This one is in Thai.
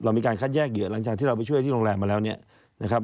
มีการคัดแยกเหยื่อหลังจากที่เราไปช่วยที่โรงแรมมาแล้วเนี่ยนะครับ